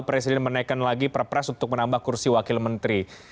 presiden menaikkan lagi perpres untuk menambah kursi wakil menteri